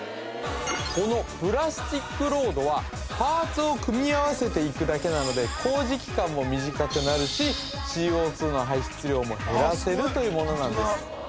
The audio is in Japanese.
このプラスチックロードはパーツを組み合わせていくだけなので工事期間も短くなるしＣＯ２の排出量も減らせるというものなんです